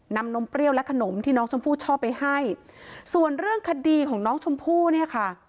นมเปรี้ยวและขนมที่น้องชมพู่ชอบไปให้ส่วนเรื่องคดีของน้องชมพู่เนี่ยค่ะ